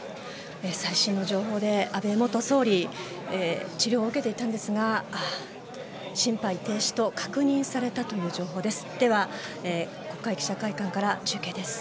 最新情報で安倍元総理治療を受けていたんですが心肺停止と確認されたとの情報です。